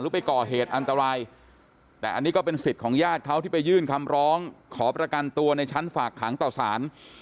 ไปก่อเหตุอันตรายแต่อันนี้ก็เป็นสิทธิ์ของญาติเขาที่ไปยื่นคำร้องขอประกันตัวในชั้นฝากขังต่อสาร